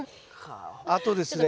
あとですね